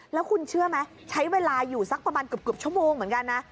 แล้วคุณเชื่อไหมใช้เวลาอยู่สักประมาณเกือบชั่วโมงเหมือนกันนะ